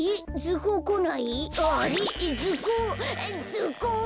ずこう！